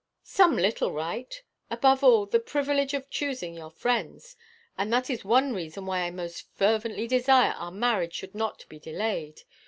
'Some little right; above all, the privilege of choosing your friends. And that is one reason why I most fervently desire our marriage should not be delayed.